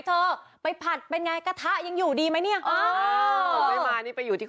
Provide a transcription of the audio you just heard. ก็มาดูส่วนสามชั้นที่เอาไปส่วนน้ำพริก